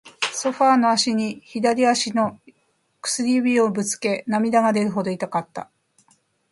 ソファーの脚に、左足の薬指をぶつけ、涙が出るほど痛かった。